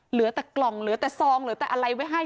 เหลือแต่กล่องเหลือแต่ซองเหลือแต่อะไรไว้ให้